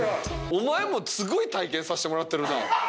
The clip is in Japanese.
お前もすごい体験させてもらってるな。